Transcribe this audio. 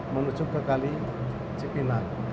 menuju ke kali cipinang